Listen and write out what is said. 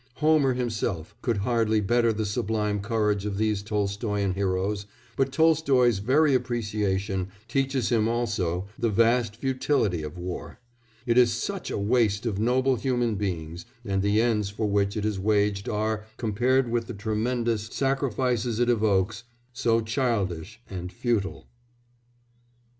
Homer himself could hardly better the sublime courage of these Tolstoyan heroes, but Tolstoy's very appreciation teaches him also the vast futility of war; it is such a waste of noble human beings, and the ends for which it is waged are, compared with the tremendous sacrifices it evokes, so childish and futile.